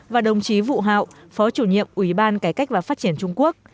và đồng chí vụ hạo phó chủ nhiệm ủy ban cải cách và phát triển trung quốc